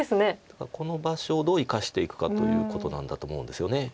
だからこの場所をどう生かしていくかということなんだと思うんですよね。